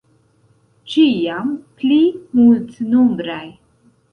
Ĉiam pli multnombraj.